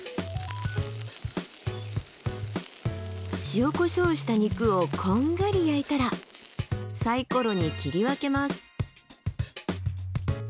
塩コショウした肉をこんがり焼いたらサイコロに切り分けます。